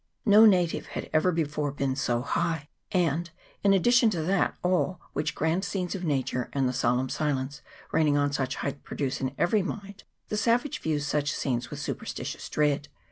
No native had ever before been so high, and, in addition to that awe which grand scenes of nature and the solemn silence reigning on such heights produce in every mind, the savage views such scenes with super 156 VOLCANIC CHARACTER [PART I. stitious dread.